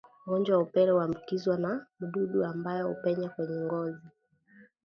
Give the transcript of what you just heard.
Ugonjwa wa upele huambukizwa na mdudu ambaye hupenya kwenye ngozi